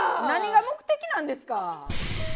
何が目的なんですか。